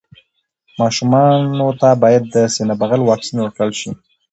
ماشومانو ته باید د سینه بغل واکسين ورکړل شي.